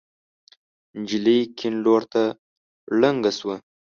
نجلۍ کيڼ لور ته ړنګه شوه.